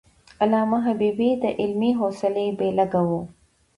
علامه حبيبي د علمي حوصلي بېلګه وو.